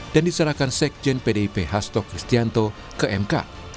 dan diserahkan sekjen pdip hasto kristianto ke mk